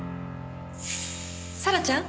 紗良ちゃん？